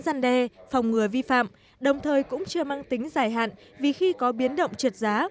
gian đe phòng ngừa vi phạm đồng thời cũng chưa mang tính dài hạn vì khi có biến động trượt giá